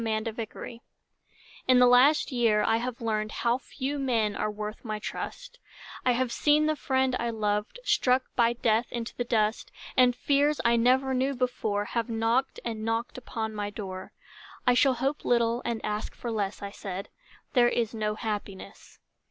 Red Maples In the last year I have learned How few men are worth my trust; I have seen the friend I loved Struck by death into the dust, And fears I never knew before Have knocked and knocked upon my door "I shall hope little and ask for less," I said, "There is no happiness."